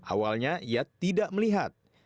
awalnya ia tidak melihat